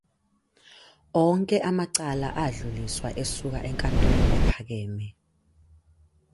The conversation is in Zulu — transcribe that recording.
Onke amacala adluliswa esuka eNkantolo ePhakeme.